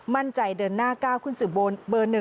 มั่นใจเดินหน้า๙คุณสุบวนเบอร์๑